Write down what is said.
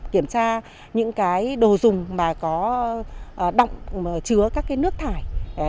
kiểm tra những cái đồ dùng mà có động chứa các cái nước thải